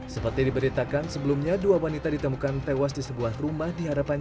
seperti diberitakan sebelumnya dua wanita ditemukan tewas di sebuah rumah di hadapan